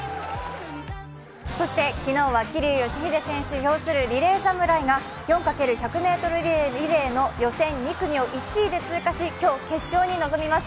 そして昨日は桐生祥秀選手擁するリレー侍が４×１００ｍリレーの予選２組を１位で通過し今日決勝に臨みます。